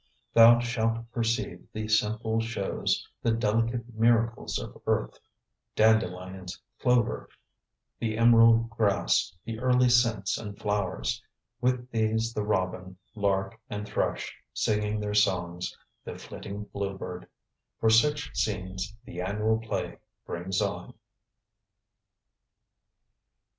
Thou shalt perceive the simple shows, the delicate miracles of earth Dandelions, clover, the emerald grass, the early scents and flowers; With these the robin, lark and thrush, singing their songs the flitting bluebird; For such scenes the annual play brings on."